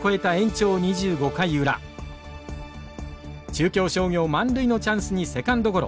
中京商業満塁のチャンスにセカンドゴロ。